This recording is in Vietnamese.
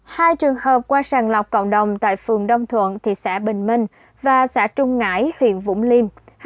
hai trường hợp qua sàng lọc cộng đồng tại phường đông thuận thị xã bình minh và xã trung ngãi huyện vũng liêm